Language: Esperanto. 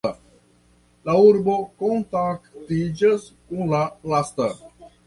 La urbo kontaktiĝas kun la lasta.